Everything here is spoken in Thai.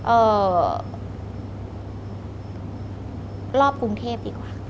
เอ่อรอบกรุงเทพดีกว่า